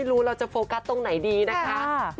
ไม่รู้เราจะโฟกัสตรงไหนดีกันนะคะ